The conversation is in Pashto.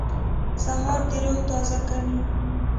سهار د روح تازه کوي.